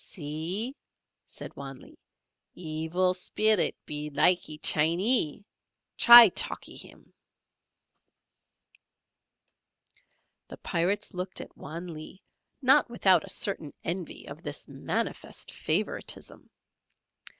"See," said Wan Lee, "Evil Spillet be likee Chinee, try talkee him." The Pirates looked at Wan Lee not without a certain envy of this manifest favouritism.